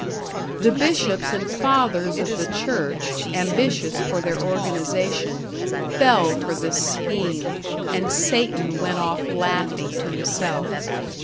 The bishops and fathers of the Church, ambitious for their organization, fell for this scheme, and Satan went off laughing to himself.